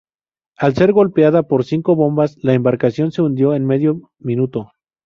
Al ser golpeada por cinco bombas, la embarcación se hundió en medio minuto.